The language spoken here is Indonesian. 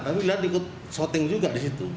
tapi liat ikut syuting juga disitu